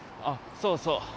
そうそう。